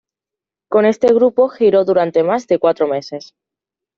Con este grupo giró durante más de cuatro meses.